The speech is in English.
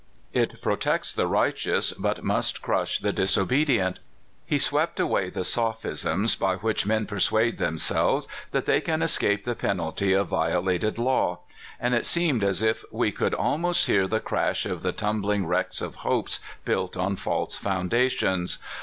It protects the righteous, but must crush the disobedient. He swept away the sophisms by which men persuade themselves that they can escape the penalty of violated law; and it seemed as if we could almost hear the crash of the tum bling wrecks of hopes built on false foundations.